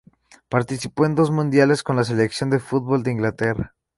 Participó en dos Mundiales con la selección de fútbol de Inglaterra.